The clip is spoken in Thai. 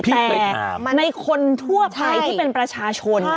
แต่ในคนทั่วไปที่เป็นประชาชน